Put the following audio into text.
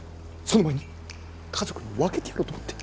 その前に家族に分けてやろうと思って。